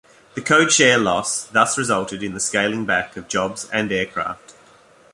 The code-share loss thus resulted in the scaling back of jobs and aircraft.